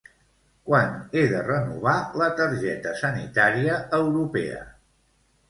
Quan he de renovar la targeta sanitària europea?